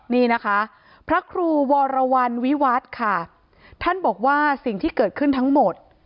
นี่นะคะพระครูวรวรรณวิวัฒน์ค่ะท่านบอกว่าสิ่งที่เกิดขึ้นทั้งหมด